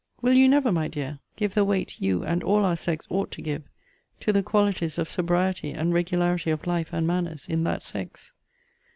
Will you never, my dear, give the weight you and all our sex ought to give to the qualities of sobriety and regularity of life and manners in that sex?